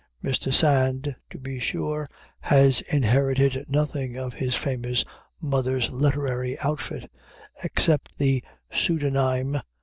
Mr. Sand, to be sure, has inherited nothing of his famous mother's literary outfit, except the pseudonyme.